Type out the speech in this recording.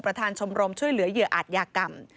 ชมรมช่วยเหลือเหยื่ออาจยากรรม